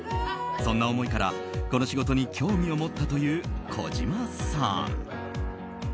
そんな思いからこの仕事に興味を持ったという、こじまさん。